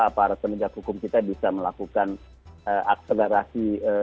aparat penegak hukum kita bisa melakukan akselerasi